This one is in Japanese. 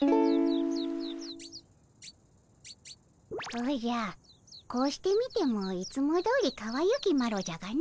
おじゃこうして見てもいつもどおりかわゆきマロじゃがの。